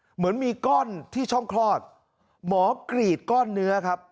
เหมือนมีก้อนที่ช่องคลอดหมอกรีดก้อนเนื้อครับ